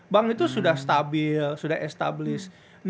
bank itu sudah stabil sudah established